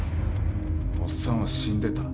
おっさんは死んでた。